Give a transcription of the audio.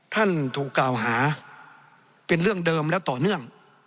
ท่านถูกกล่าวหาเป็นเรื่องเดิมและต่อเนื่อง